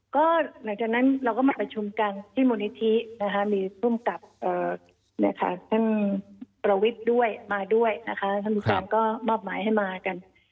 ก็หลังจากนั้นเราก็มาประชุมกันที่มูลนิธินะคะมีภูมิกับท่านประวิทย์ด้วยมาด้วยนะคะท่านผู้การก็มอบหมายให้มากัน